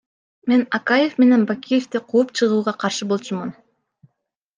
Мен Акаев менен Бакиевди кууп чыгууга каршы болчумун.